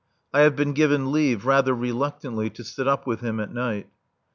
I have been given leave rather reluctantly to sit up with him at night.